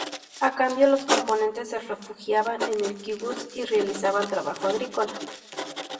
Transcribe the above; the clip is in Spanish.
A cambio, los componentes se refugiaban en el kibutz y realizaban trabajo agrícola.